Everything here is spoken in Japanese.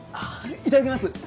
いただきます！